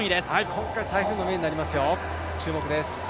今回台風の目になりますよ、注目です。